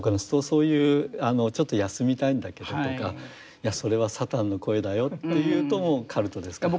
そういう「ちょっと休みたいんだけど」とか「いやそれはサタンの声だよ」というともうカルトですか。